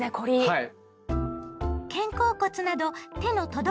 はい。